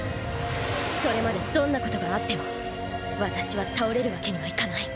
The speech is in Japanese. それまでどんなことがあっても私は倒れるわけにはいかない。